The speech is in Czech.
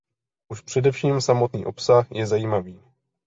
Už především samotný obsah je zajímavý.